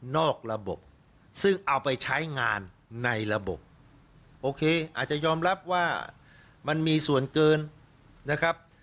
นอกระบบซึ่งเอาไปใช้งานในระบบโอเคอาจจะยอมรับว่ามันมีส่วนเกินนะครับ